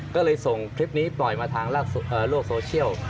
ก็เลยส่งคลิปนี้ปล่อยมาทางโลกโซเชียล